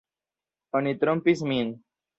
Oni trompis min!